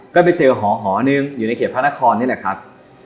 ก็ไปเจอหอหอ๑อยู่ในเขตพระนครไหนละครับ